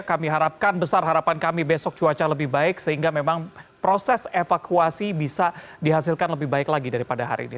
kami harapkan besar harapan kami besok cuaca lebih baik sehingga memang proses evakuasi bisa dihasilkan lebih baik lagi daripada hari ini